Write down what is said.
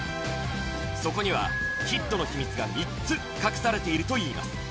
そこにはヒットの秘密が３つ隠されているといいます